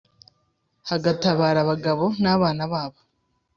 hagatabara abagabo nabana babo